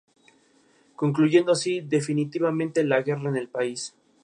Suazilandia mantiene un pequeño número de misiones diplomáticas.